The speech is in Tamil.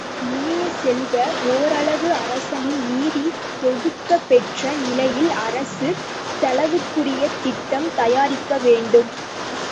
இனிய செல்வ, ஓரளவு அரசின் நிதி தொகுக்கப் பெற்ற நிலையில் அரசு, செலவுக்குரிய திட்டம் தயாரிக்க வேண்டும்.